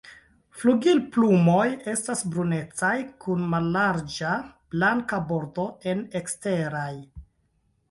Flugilplumoj estas brunecaj kun mallarĝa blanka bordo en eksteraj.